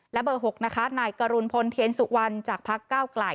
และเบอร์๖นะคะนายกรุณพลเทียนสุวรรณจากพักเก้าไกล